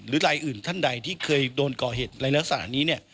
หรือรายอื่นท่านใดที่เคยโดนก่อเหตุในลักษณะนี้